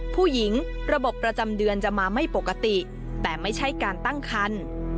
ระบบประจำเดือนจะมาไม่ปกติแต่ไม่ใช่การตั้งคัน